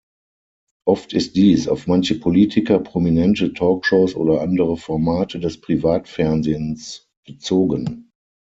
Oft ist dies auf manche Politiker, Prominente, Talkshows oder andere Formate des Privatfernsehens bezogen.